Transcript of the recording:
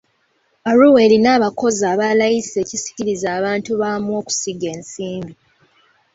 Arua erina abakozi aba layisi ekisikiriza abantu baamu okusiga ensimbi.